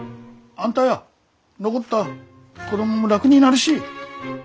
あんたや残った子供も楽になるし。